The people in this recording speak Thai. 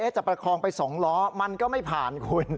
ประคองไป๒ล้อมันก็ไม่ผ่านคุณ